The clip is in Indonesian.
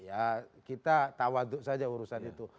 ya kita tawaduk saja urusan itu